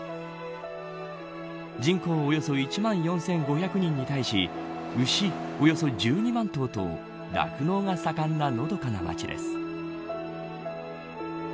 人口およそ１万４５００人に対し牛、およそ１２万頭と酪農が盛んな、のどかな町です。